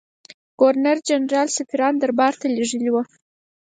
ګورنرجنرال سفیران دربارته لېږلي وه.